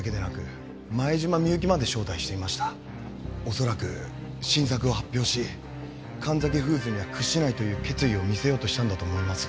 恐らく新作を発表し神崎フーズには屈しないという決意を見せようとしたんだと思います。